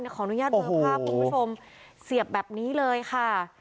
ขออนุญาตเบอร์ภาพคุณผู้ชมเสียบแบบนี้เลยค่ะ